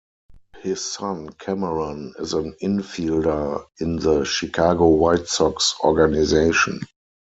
His son Cameron is an infielder in the Chicago White Sox organization.